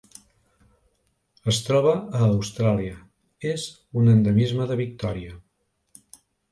Es troba a Austràlia: és un endemisme de Victòria.